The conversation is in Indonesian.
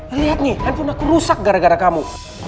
lihat nih handphone aku rusak gara gara kamu